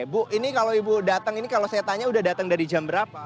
bu ini kalau ibu datang ini kalau saya tanya udah datang dari jam berapa